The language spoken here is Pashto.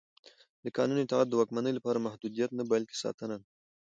د قانون اطاعت د واکمنۍ لپاره محدودیت نه بلکې ساتنه ده